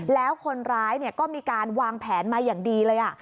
แล้วคนร้ายก็มีการวางแผนมาอย่างดีเลย